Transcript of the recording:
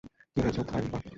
কী হয়েছে, থালাইভা?